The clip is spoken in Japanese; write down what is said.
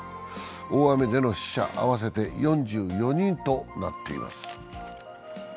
大雨での死者合わせて４４人となっています。